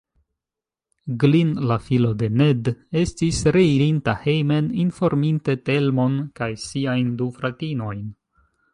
Glin, la filo de Ned, estis reirinta hejmen, informinte Telmon kaj siajn du fratinojn.